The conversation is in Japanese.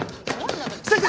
先生！